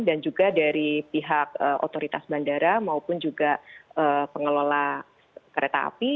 dan juga dari pihak otoritas bandara maupun juga pengelola kereta api